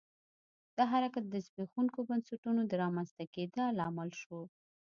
دا حرکت د زبېښونکو بنسټونو د رامنځته کېدا لامل شو.